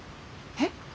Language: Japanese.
えっ！？